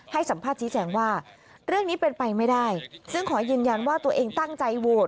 ให้สัมภาษณ์ชี้แจงว่าเรื่องนี้เป็นไปไม่ได้ซึ่งขอยืนยันว่าตัวเองตั้งใจโหวต